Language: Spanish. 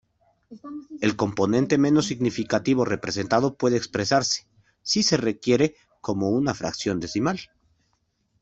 El componente menos significativo representado puede expresarse, si se requiere, como una fracción decimal.